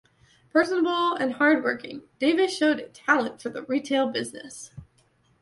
Personable and hard-working, Davis showed a talent for the retail business.